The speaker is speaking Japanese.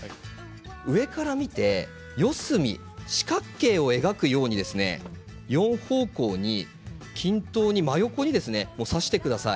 上から見て四隅、四角形を描くように両方向から均等に真横にバラを挿してください。